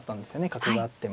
角があっても。